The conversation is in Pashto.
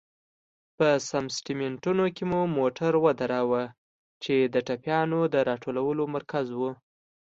په سمسټمینټو کې مو موټر ودراوه، چې د ټپيانو د را ټولولو مرکز و.